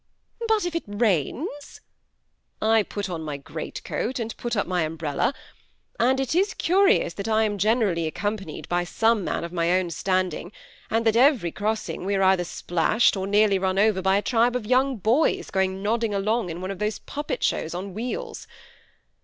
" But if it rains ?"" I put on my greatcoat, and put up my umbrella ; and it is curious that I am generally accompanied by some man of my own standing, and that at every cross ing we are either splashed or nearly run over by a tribe of young boys going nodding along in one of those puppet shows on wheels.